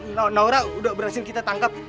nau naura udah berhasil kita tangkap